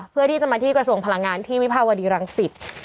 เพื่อที่จะมาที่กระทรวงพลังงานที่วิภาวดีรังสิต